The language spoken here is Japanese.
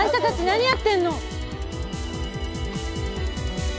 何やってんの！？